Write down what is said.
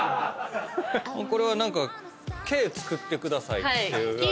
これはＫ作ってくださいって。